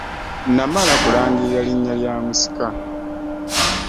Namala kulangirira linnya lya musika.